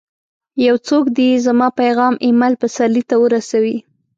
یو څوک دي زما پیغام اېمل پسرلي ته ورسوي!